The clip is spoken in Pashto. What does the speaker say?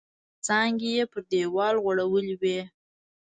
څانګې یې پر دیوال غوړولي وې.